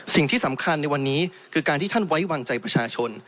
สิ่งที่สำคัญในวันนี้คือการที่ท่านไว้วางใจประชาชน